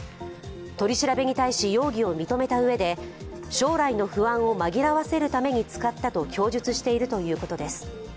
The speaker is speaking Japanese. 取り調べに対し容疑を認めたうえで将来の不安を紛らわせるために使ったと供述しているということです。